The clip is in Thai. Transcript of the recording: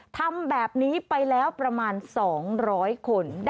ทำแบบนี้ไปแล้วประมาณ๒๐๐คน